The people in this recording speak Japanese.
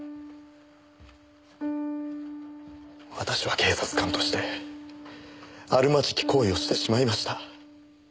私は警察官としてあるまじき行為をしてしまいました。